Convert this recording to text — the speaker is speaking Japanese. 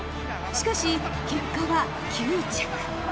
［しかし結果は９着］